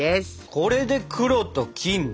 これで黒と金ね！